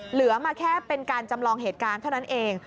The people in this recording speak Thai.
เหลือมาแค่เป็นการจำลองเหตุการณ์เท่านั้นเอง